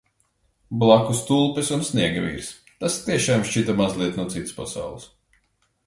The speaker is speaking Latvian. Blakus tulpes un sniegavīrs. Tas tiešām šķita mazliet no citas pasaules.